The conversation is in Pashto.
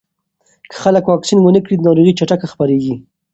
که خلک واکسین ونه کړي، ناروغي چټکه خپرېږي.